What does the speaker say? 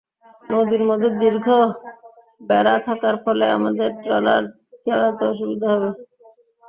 নদীর মধ্যে দীর্ঘ বেড়া থাকার ফলে আমাদের ট্রলার চালাতে অসুবিধা হয়।